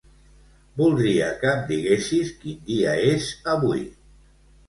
Voldria que em diguessis quin dia és avui.